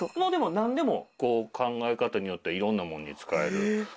何でも考え方によってはいろんなものに使える。